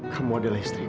kamu adalah istriku